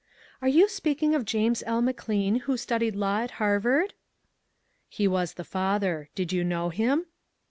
" Are you speaking of James L. McLean, who studied law at Harvard?" "He was the father. Did you know him?"